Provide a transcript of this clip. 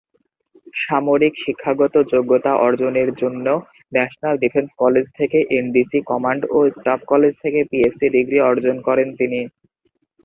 সামরিক শিক্ষাগত যোগ্যতা অর্জনের জন্য ন্যাশনাল ডিফেন্স কলেজ থেকে এনডিসি, কমান্ড ও স্টাফ কলেজ থেকে পিএসসি ডিগ্রি অর্জন করেন তিনি।